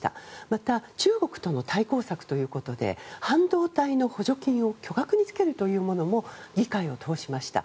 また中国との対抗策ということで半導体の補助金を巨額につけるというものも議会を通しました。